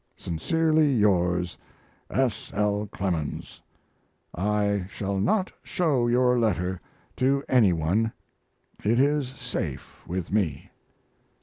Sincerely yours, S. L. CLEMENS. I shall not show your letter to any one it is safe with me.